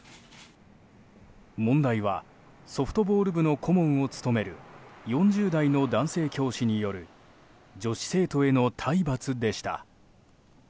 問題はソフトボール部の顧問を務める４０代の男性教師による女子生徒への体罰でした。